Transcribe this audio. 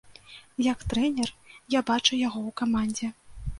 Як трэнер я бачу яго ў камандзе.